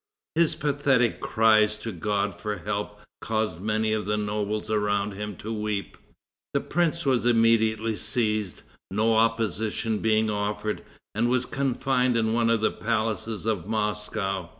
His pathetic cries to God for help caused many of the nobles around him to weep. The prince was immediately seized, no opposition being offered, and was confined in one of the palaces of Moscow.